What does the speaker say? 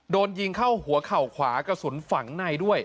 โดนยิงเข้าหัวเข่าขวากระสุนฝังในด้วย